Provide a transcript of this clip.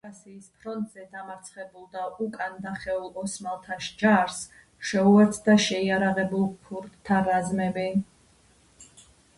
კავკასიის ფრონტზე დამარცხებულ და უკან დახეულ ოსმალთა ჯარს შეუერთდა შეიარაღებულ ქურთთა რაზმები.